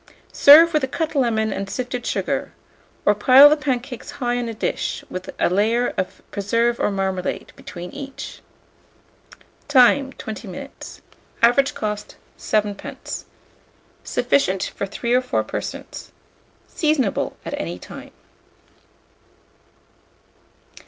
Serve with a cut lemon and sifted sugar, or pile the pancakes high on a dish, with a layer of preserve or marmalade between each. Time. 20 minutes. Average cost, 7d. Sufficient for 3 or 4 persons. Seasonable at any time.